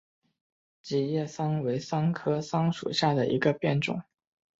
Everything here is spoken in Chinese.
戟叶桑为桑科桑属下的一个变种。